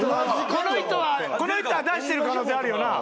この人はこの人は出してる可能性あるよな。